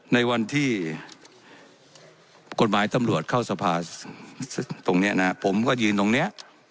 ในวันที่กฎหมายตำรวจเข้าสภาตรงนี้นะผมก็ยืนตรงนี้